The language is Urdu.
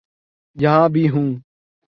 جہاں بھی ہوں۔